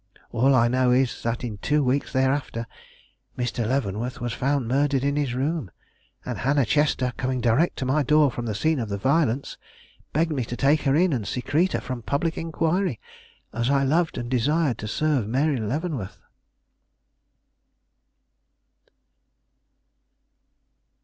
All I know is that in two weeks thereafter Mr. Leavenworth was found murdered in his room, and Hannah Chester, coming direct to my door from the scene of violence, begged me to take her in and secrete her from public inquiry, as I loved and desired to serve Mary Leavenworth.